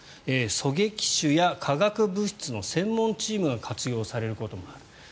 狙撃手や化学物質の専門チームが活用されることもある。